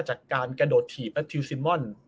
จากการกระโดดถีบและทิวซิมอน